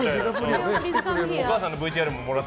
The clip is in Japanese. お母さんのＶＴＲももらって。